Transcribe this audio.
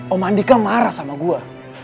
om andika marah sama gua